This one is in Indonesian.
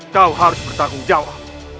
kau harus bertanggung jawab